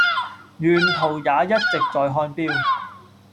沿途也一直在看錶